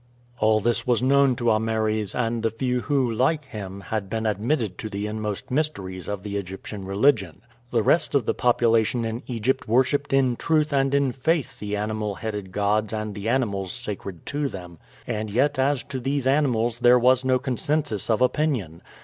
All this was known to Ameres and the few who, like him, had been admitted to the inmost mysteries of the Egyptian religion. The rest of the population in Egypt worshiped in truth and in faith the animal headed gods and the animals sacred to them; and yet as to these animals there was no consensus of opinion.